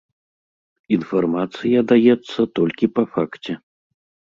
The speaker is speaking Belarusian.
Інфармацыя даецца толькі па факце.